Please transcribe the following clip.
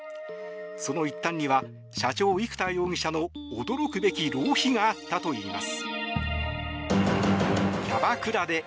その一端には社長・生田容疑者の驚くべき浪費があったといいます。